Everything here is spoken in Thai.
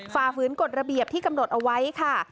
ฝ่าฝืนกฎระเบียบที่กำหนดเอาไว้ค่ะ